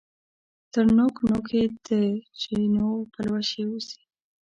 تر نوک، نوک یې د چینو پلوشې وځي